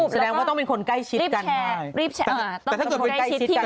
แสดงว่าต้องเป็นคนใกล้ชิดกันแค่รีบแชร์ต้องเป็นคนใกล้ชิด